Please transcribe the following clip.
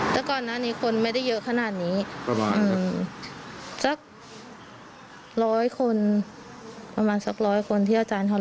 เยอะขนาดนี้ประมาณครับอืมจากร้อยคนประมาณสักร้อยคนที่อาจารย์เขา